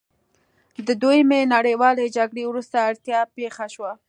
د دویمې نړیوالې جګړې وروسته اړتیا پیښه شوه.